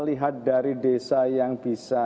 lihat dari desa yang bisa